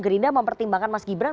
gerinda mempertimbangkan mas gibran